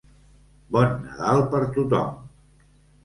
Bon Nadal per tothom!